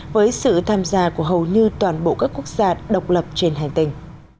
với sự tham gia của hầu như toàn bộ các quốc gia độc lập trên hành tinh